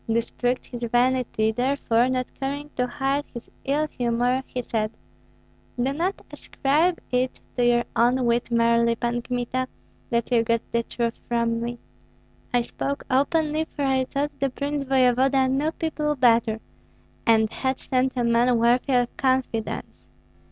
This pricked his vanity; therefore, not caring to hide his ill humor, he said, "Do not ascribe it to your own wit merely, Pan Kmita, that you got the truth from me. I spoke openly, for I thought the prince voevoda knew people better, and had sent a man worthy of confidence."